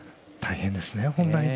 大変ですね。